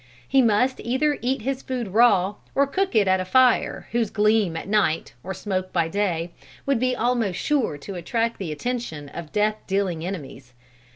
He must either eat his food raw, or cook it at a fire whose gleam at night, or smoke by day, would be almost sure to attract the attention of death dealing enemies.